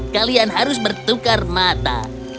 kalian harus bertukar mata